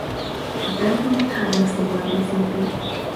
A templomot három szobor díszíti.